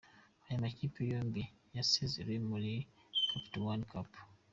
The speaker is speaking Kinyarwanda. Aya makipe yombi yasezerewe muri Capital one cup.